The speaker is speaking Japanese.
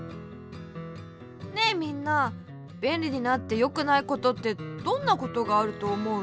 ねえみんなべんりになってよくないことってどんなことがあるとおもう？